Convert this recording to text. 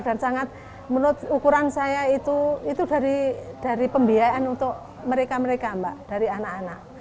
dan menurut ukuran saya itu dari pembiayaan untuk mereka mereka dari anak anak